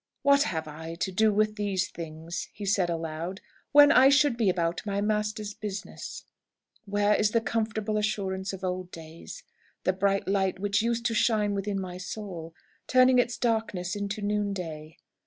"What have I to do with these things," he said aloud, "when I should be about my Master's business? Where is the comfortable assurance of old days the bright light which used to shine within my soul, turning its darkness to noon day?